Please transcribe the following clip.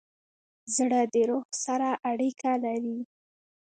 زړه د روح سره اړیکه لري.